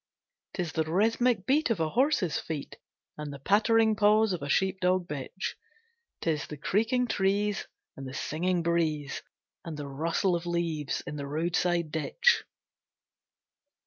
'T is the rhythmic beat of a horse's feet And the pattering paws of a sheep dog bitch; 'T is the creaking trees, and the singing breeze, And the rustle of leaves in the road side ditch.